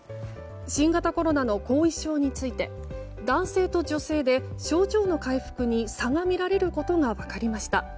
新型コロナの後遺症について男性と女性で症状の回復に差が見られることが分かりました。